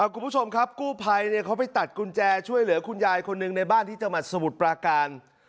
คุณผู้ชมครับกู้ภัยเขาไปตัดกุญแจช่วยเหลือคุณยายคนหนึ่งในบ้านที่จังหวัดสมุทรปราการ